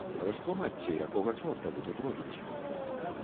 Растлумачце, якога чорта вы тут робіце.